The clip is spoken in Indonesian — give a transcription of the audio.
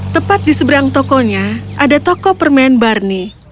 tepat di seberang tokonya ada toko permen barnie